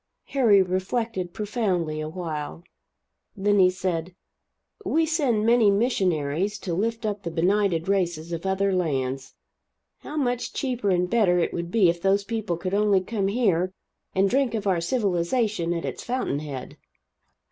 Harry reflected profoundly a while. Then he said: "We send many missionaries to lift up the benighted races of other lands. How much cheaper and better it would be if those people could only come here and drink of our civilization at its fountain head."